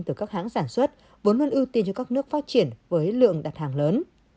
từ các hãng sản xuất vốn luôn ưu tiên cho các nước phát triển với lượng đặt hàng lớn